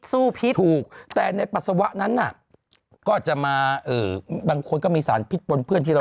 พิษถูกแต่ในปัสสาวะนั้นน่ะก็จะมาบางคนก็มีสารพิษปนเพื่อนที่เรา